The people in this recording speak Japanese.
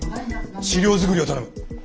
資料作りを頼む。